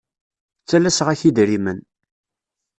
Ttalaseɣ-ak idrimen.